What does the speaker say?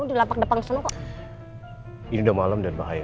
ini udah malem dan bahaya